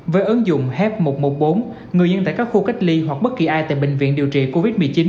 với ứng dụng h một trăm một mươi bốn người dân tại các khu cách ly hoặc bất kỳ ai tại bệnh viện điều trị covid một mươi chín